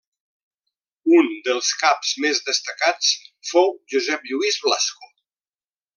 Un dels caps més destacats fou Josep Lluís Blasco.